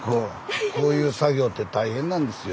こういう作業って大変なんですよ。